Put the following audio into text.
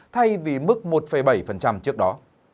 thay vì mức một bảy trước đó